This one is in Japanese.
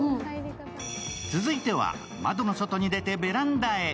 続いては、窓の外へ出てベランダへ。